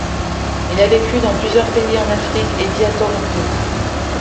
Il a vécu dans plusieurs pays en Afrique et vit à Toronto.